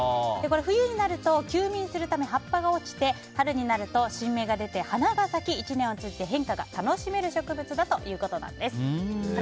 冬になると休眠するため葉っぱが落ちて春になると新芽が出て花が咲き、１年を通じて変化が楽しめる植物だということです。